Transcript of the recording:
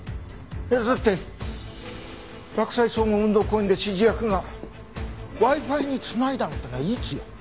だって洛西総合運動公園で指示役がＷｉ−Ｆｉに繋いだのってのはいつよ。